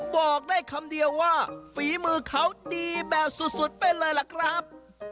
บอกได้คำเดียวว่าฝีมือเขาดีแบบสุดไปเลยล่ะครับ